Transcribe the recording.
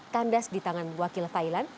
kandas di tangan wakil thailand